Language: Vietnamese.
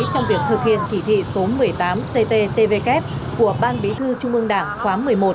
trong việc thực hiện chỉ thị số một mươi tám cttvk của ban bí thư trung ương đảng khóa một mươi một